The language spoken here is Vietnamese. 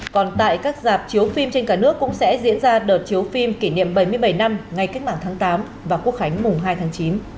còn tại các dạp chiếu phim trên cả nước cũng sẽ diễn ra đợt chiếu phim kỷ niệm bảy mươi bảy năm ngày cách mạng tháng tám và quốc khánh mùng hai tháng chín